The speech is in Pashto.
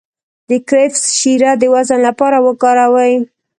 د کرفس شیره د وزن لپاره وکاروئ